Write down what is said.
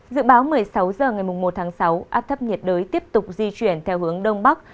dự báo một mươi sáu h ngày một tháng sáu áp thấp nhiệt đới tiếp tục di chuyển theo hướng đông bắc